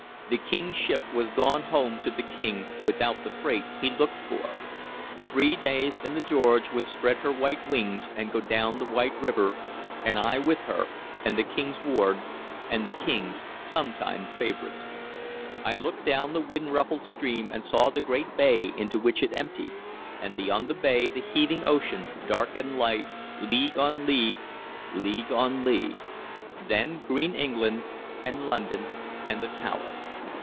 The King's ship was gone home to the King without the freight he looked for. Three days, and the George would spread her white wings and go down the wide river, and I with her, and the King's ward, and the King's sometime favorite. I looked down the wind ruffled stream, and saw the great bay into which it emptied, and beyond the bay the heaving ocean, dark and light, league on league, league on league; then green England, and London, and the Tower.